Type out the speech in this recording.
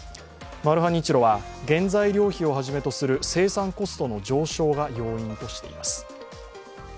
マルハニチロは、原材料費をはじめとする生産コストの上昇が要因としています。